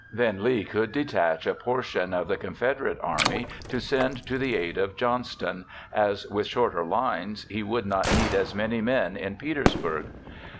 Then Lee could detach a portion of the Confederate army to send to the aid of Johnston as, with shorter lines, he would not need as many men in Petersburg.